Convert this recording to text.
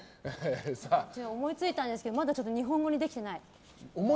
思いついたんですけどまだ日本語にできてない。